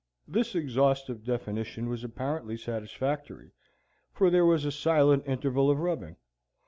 This exhaustive definition was apparently satisfactory, for there was a silent interval of rubbing.